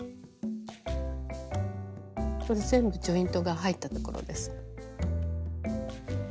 これで全部ジョイントが入ったところです。